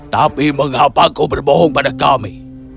tapi mengapa kau berbohong pada kami